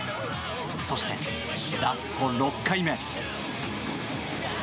そして、ラスト６回目。